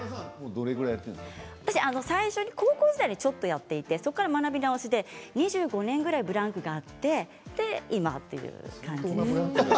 高校時代にちょっとやっていてそこから学び直して２５年ぐらいブランクがあって今という感じです。